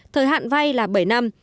thời hạn vai là bảy năm